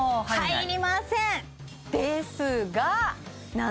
はい